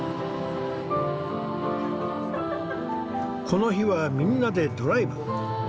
この日はみんなでドライブ。